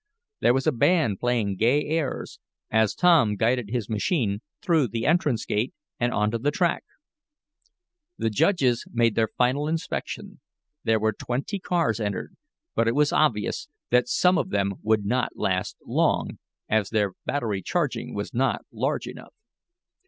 There was a band playing gay airs, as Tom guided his machine through the entrance gate, and onto the track. The judges made their final inspection. There were twenty cars entered, but it was obvious that some of them would not last long, as their battery capacity was not large enough.